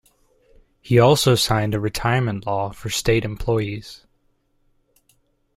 He also signed a retirement law for state employees.